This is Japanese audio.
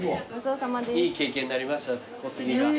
いい経験になりました小杉が。